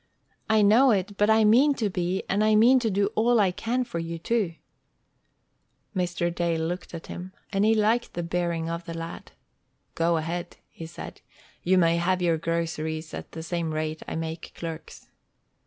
"I know it, but I mean to be, and I mean to do all I can for you, too." Mr. Dale looked at him, and he liked the bearing of the lad. "Go ahead," he said. "You may have your groceries at the same rate I make clerks."